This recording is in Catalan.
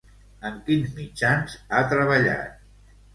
En quins mitjans ha treballat?